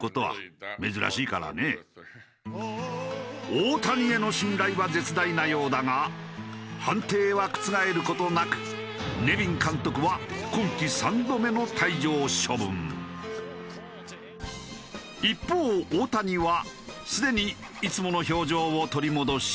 大谷への信頼は絶大なようだが判定は覆る事なくネビン監督は一方大谷はすでにいつもの表情を取り戻していた。